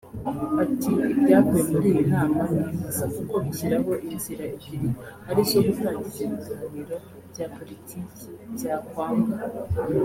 ati”Ibyavuye muri iyi nama ni byiza kuko bishyiraho inzira ebyiri ari zo gutangiza ibiganiro bya politiki byakwanga